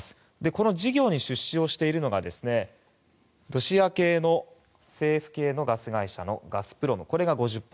この事業に出資をしているのがロシア系の政府系のガス会社のガスプロム、これが５０％。